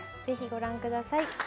ぜひご覧ください